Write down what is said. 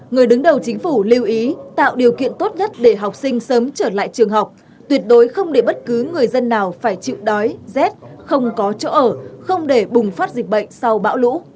người đứng đầu chính phủ lưu ý tạo điều kiện tốt nhất để học sinh sớm trở lại trường học tuyệt đối không để bất cứ người dân nào phải chịu đói rét không có chỗ ở không để bùng phát dịch bệnh sau bão lũ